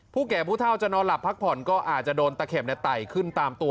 แก่ผู้เท่าจะนอนหลับพักผ่อนก็อาจจะโดนตะเข็บไต่ขึ้นตามตัว